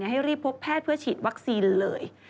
ให้รีบพบแพทย์เพื่อฉีดวัคซีนเลย